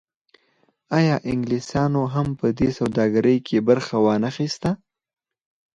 آیا انګلیسانو هم په دې سوداګرۍ کې برخه ونه اخیسته؟